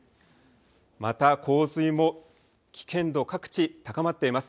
また洪水も危険度、各地高まっています。